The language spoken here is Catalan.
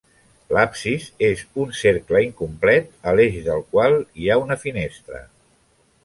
L'absis és un cercle incomplet, a l'eix del qual hi ha una finestra.